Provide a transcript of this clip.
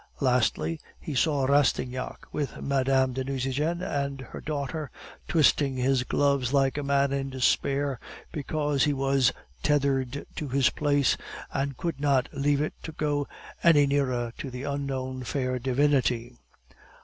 Lastly, he saw Rastignac, with Mme. de Nucingen and her daughter, twisting his gloves like a man in despair, because he was tethered to his place, and could not leave it to go any nearer to the unknown fair divinity.